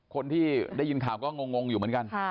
คนที่ได้ยินข่าวก็งงอยู่เหมือนกัน